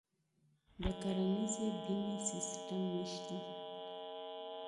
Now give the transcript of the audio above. د کرنیزې بیمې سیستم نشته.